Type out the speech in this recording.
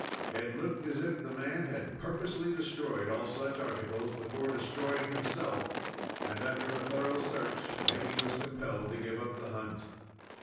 It looked as if the man had purposely destroyed all such articles before destroying himself, and, after a thorough search, Mickey was compelled to give up the hunt.